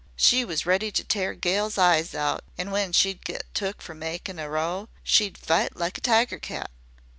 She was ready to tear gals eyes out, an' when she'd get took for makin' a row she'd fight like a tiger cat.